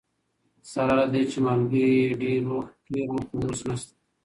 سره له دې چي ملګري یې ډیر وو خو اوس نسته.